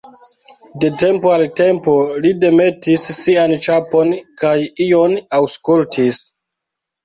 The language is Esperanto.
De tempo al tempo li demetis sian ĉapon kaj ion aŭskultis.